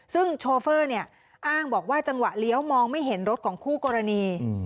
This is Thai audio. ซึ่งโชเฟอร์เนี่ยอ้างบอกว่าจังหวะเลี้ยวมองไม่เห็นรถของคู่กรณี